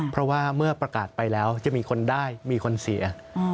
เพราะว่าเมื่อประกาศไปแล้วจะมีคนได้มีคนเสีย